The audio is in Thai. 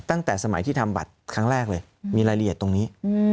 ตั้งแต่สมัยที่ทำบัตรครั้งแรกเลยมีรายละเอียดตรงนี้